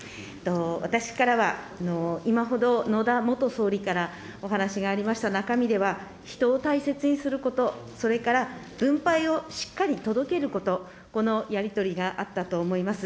私からは今ほど野田元総理からお話がありました中身では、人を大切にすること、それから分配をしっかり届けること、このやり取りがあったと思います。